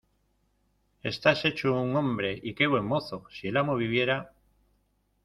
¡Estás hecho un hombre! ¡Y qué buen mozo! ¡Si el amo viviera!